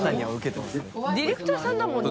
ディレクターさんだもんね。